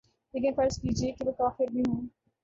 لیکن فرض کیجیے کہ وہ کافر بھی ہوں۔